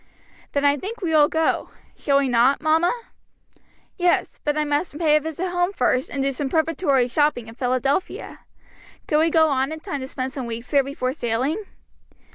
"Then I think we will go. Shall we not, mamma?" "Yes; but I must pay a visit home first, and do some preparatory shopping in Philadelphia. Can we go on in time to spend some weeks there before sailing?"